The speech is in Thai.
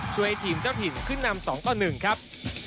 ช่วยให้ทีมเจ้าถิ่นขึ้นนำ๒ต่อ๑ครับ